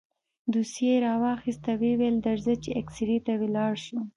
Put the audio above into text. دوسيه يې راواخيسته ويې ويل درځه چې اكسرې ته ولاړ شو.